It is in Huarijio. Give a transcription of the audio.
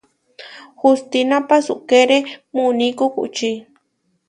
Hustína pasúkere muní kukučí.